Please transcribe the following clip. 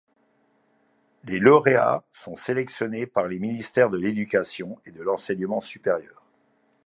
Les lauréats sont sélectionnés par les ministères de l'Éducation et de l'Enseignement supérieur.